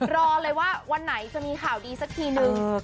รอเลยว่าวันไหนจะมีข่าวดีสักทีนึง